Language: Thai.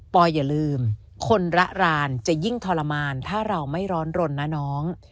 อย่าลืมคนระรานจะยิ่งทรมานถ้าเราไม่ร้อนรนนะน้อง